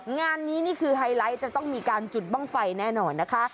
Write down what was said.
งานนี้นี่คือไฮไลท์จะต้องมีการจุดบ้างไฟแน่นอนนะคะ